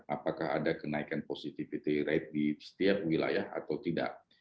apakah ada kenaikan positivity rate di setiap wilayah atau tidak